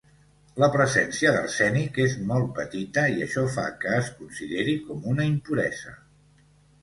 La presència d'arsènic és molt petita i això fa que es consideri com una impuresa.